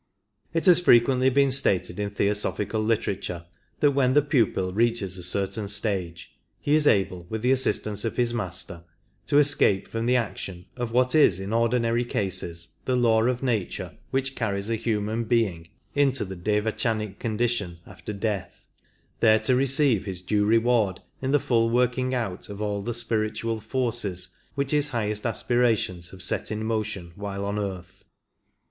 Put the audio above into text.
It has frequently been stated in Theosophical literature that when the pupil reaches a certain stage he is able with the assistance of his Master to escape from the action of what is in ordinary cases the law of nature which carries a human being into 24 the devachanic condition after death, there to receive his due reward in the full working out of all the spiritual forces which his highest aspirations have set in motion while on earth.